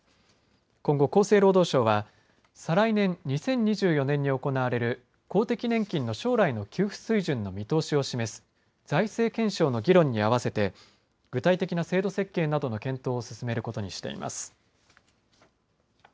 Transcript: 今後、厚生労働省は再来年・２０２４年に行われる公的年金の将来の給付水準の見通しを示す財政検証の議論にあわせて具体的な制度設計などの検討を進めることにしています。